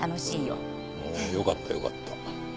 よかったよかった。